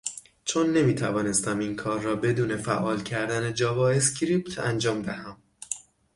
چون نمیتوانستم این کار را بدون فعال کردن جاوااسکریپت انجام دهم